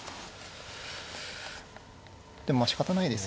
でもまあしかたないですよね。